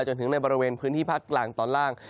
จนถึงในบริเวณพื้นที่ภาคกลางตอนล่าง